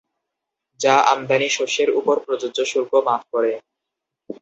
যা আমদানি শস্যের উপর প্রযোজ্য শুল্ক মাফ করে।